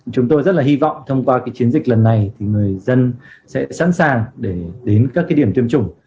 chúng tôi rất là hy vọng thông qua chiến dịch lần này thì người dân sẽ sẵn sàng để đến các điểm tiêm chủng